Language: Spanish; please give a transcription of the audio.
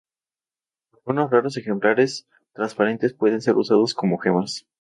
Algunos raros ejemplares transparentes pueden ser usados como gemas.